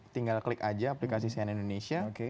tinggal klik aja aplikasi sian indonesia